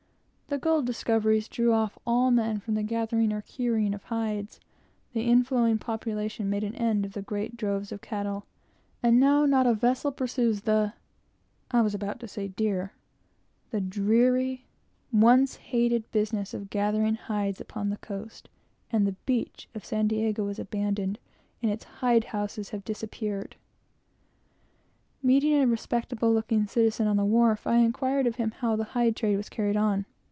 The gold discoveries drew off all men from the gathering or cure of hides, the inflowing population made an end of the great droves of cattle; and now not a vessel pursues the I was about to say dear the dreary once hated business of gathering hides upon the coast, and the beach of San Diego is abandoned and its hide houses have disappeared. Meeting a respectable looking citizen on the wharf, I inquired of him how the hide trade was carried on.